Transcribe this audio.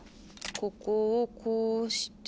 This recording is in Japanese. ここをこうして。